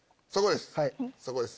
そこです。